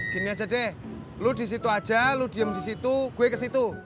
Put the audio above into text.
gini aja deh lo disitu aja lo diem disitu gue kesitu